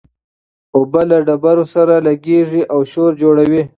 اوبه له ډبرو سره لګېږي او شور جوړوي.